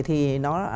thì nó là